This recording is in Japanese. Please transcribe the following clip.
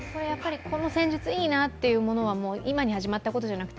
この戦術いいなというものは、今に始まったことではなく